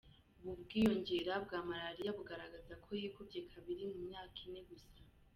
Ubu bwiyongere bwa Malaria bugaragaza ko yikubye kabiri mu myaka ine gusa.